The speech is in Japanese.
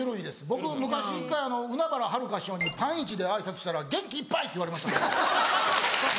僕昔１回海原はるか師匠にパンイチで挨拶したら「元気いっぱい！」って言われました。